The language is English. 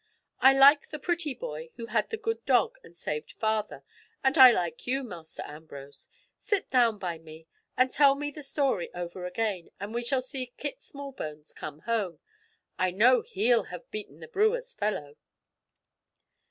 I like the pretty boy who had the good dog and saved father, and I like you, Master Ambrose. Sit down by me and tell me the story over again, and we shall see Kit Smallbones come home. I know he'll have beaten the brewer's fellow."